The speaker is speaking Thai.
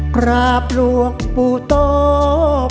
กราบล่วงพ่อคงลงหน้าจังงัง